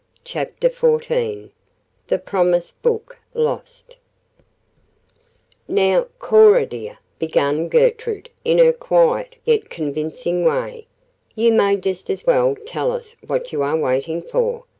CHAPTER XIV THE PROMISE BOOK LOST "Now, Cora, dear," began Gertrude, in her quiet, yet convincing way, "you may just as well tell us what you are waiting for.